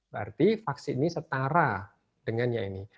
berarti vaksin ini setara dengannya ini